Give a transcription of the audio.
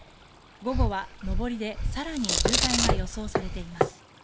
午後は、上りで更に渋滞が予想されています。